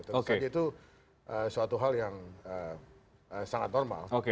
jadi itu suatu hal yang sangat normal